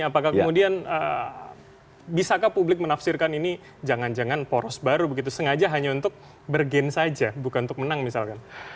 apakah kemudian bisakah publik menafsirkan ini jangan jangan poros baru begitu sengaja hanya untuk bergen saja bukan untuk menang misalkan